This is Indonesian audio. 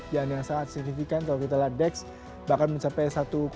yang yang sangat signifikan kalau kita lihat dex bahkan mencapai satu dua puluh tiga